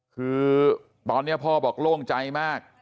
คือตอนนี้พ่อบอกโล่งใจมาก